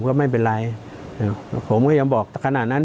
ก็ไม่เป็นไรอย่างผมก็ยังบอกขณะนั้น